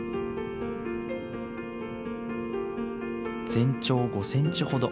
全長５センチほど。